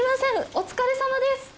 お疲れさまです